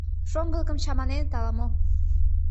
Шоҥгылыкым чаманеныт ала-мо.